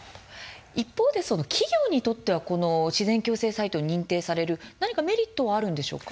一方で企業にとっては自然共生サイトに認定される何かメリットはあるんでしょうか。